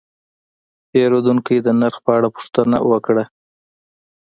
پیرودونکی د نرخ په اړه پوښتنه وکړه.